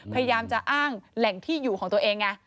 พยายามจะอ้างแหล่งที่อยู่ของตัวเองไง